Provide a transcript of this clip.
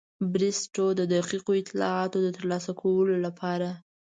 بریسټو د دقیقو اطلاعاتو د ترلاسه کولو لپاره.